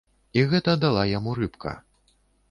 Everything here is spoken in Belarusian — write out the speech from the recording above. І гэта дала яму рыбка.